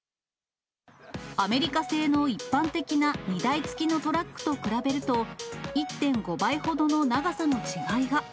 アメリカ製の一般的な荷台付きのトラックと比べると、１．５倍ほどの長さの違いが。